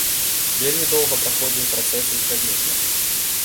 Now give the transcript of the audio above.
Вельмі доўга праходзіў працэс узгаднення.